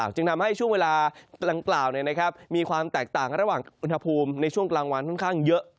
จึงทำให้ช่วงเวลาดังกล่าวมีความแตกต่างระหว่างอุณหภูมิในช่วงกลางวันค่อนข้างเยอะ